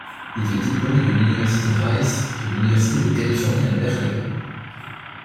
Il est diplômé de l'université Rice et de l'université de Californie à Berkeley.